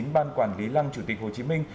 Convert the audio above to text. ban quản lý lăng chủ tịch hồ chí minh